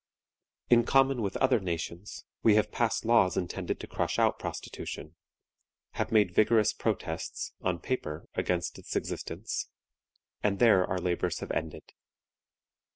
In common with other nations, we have passed laws intended to crush out prostitution; have made vigorous protests (on paper) against its existence; and there our labors have ended.